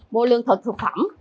mua lương thực thực phẩm